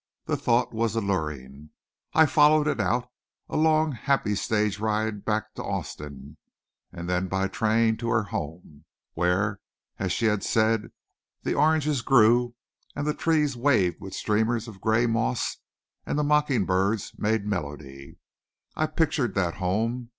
The thought was alluring. I followed it out, a long, happy stage ride back to Austin, and then by train to her home where, as she had said, the oranges grew and the trees waved with streamers of gray moss and the mocking birds made melody. I pictured that home.